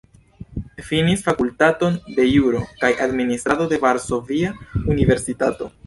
Finis Fakultaton de Juro kaj Administrado de la Varsovia Universitato.